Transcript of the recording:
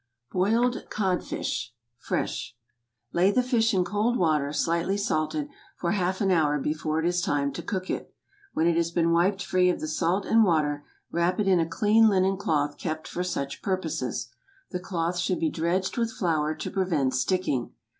BOILED CODFISH. (Fresh.) ✠ Lay the fish in cold water, slightly salted, for half an hour before it is time to cook it. When it has been wiped free of the salt and water, wrap it in a clean linen cloth kept for such purposes. The cloth should be dredged with flour, to prevent sticking.